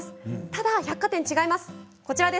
ただ百貨店は違います。